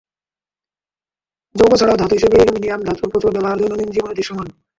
যৌগ ছাড়াও ধাতু হিসেবে অ্যালুমিনিয়াম ধাতুর প্রচুর ব্যবহার দৈনন্দিন জীবনে দৃশ্যমান।